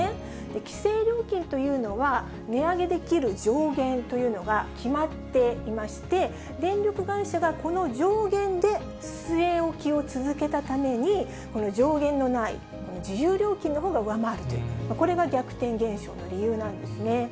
規制料金というのは、値上げできる上限というのが決まっていまして、電力会社がこの上限で据え置きを続けたために、この上限のない自由料金のほうが上回るという、これが逆転現象の理由なんですね。